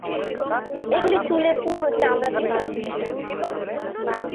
এগুলি চুলে পূর্ণ চামড়া দিয়ে তৈরি হয়েছিল।